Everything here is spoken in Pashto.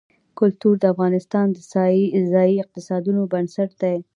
کلتور د افغانستان د ځایي اقتصادونو بنسټ دی.